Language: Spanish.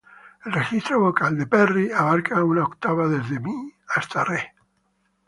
El registro vocal de Perry abarca una octava, desde "mi" hasta "re".